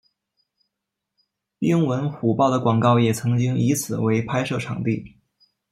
英文虎报的广告也曾经以此为拍摄场地。